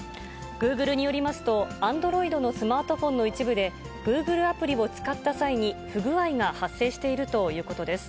グーグルによりますと、アンドロイドのスマートフォンの一部で、グーグルアプリを使った際に不具合が発生しているということです。